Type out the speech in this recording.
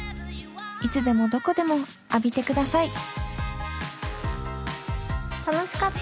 いつでもどこでも浴びてください楽しかった。